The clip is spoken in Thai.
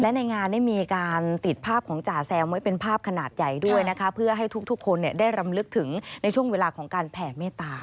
และในงานได้มีการติดภาพของจ่าแซมไว้เป็นภาพขนาดใหญ่ด้วยนะคะเพื่อให้ทุกคนได้รำลึกถึงในช่วงเวลาของการแผ่เมตตา